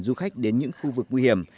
du khách đến những khu vực nguy hiểm